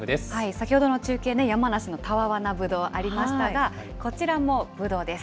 先ほどの中継ね、山梨のたわわなぶどうありましたが、こちらもぶどうです。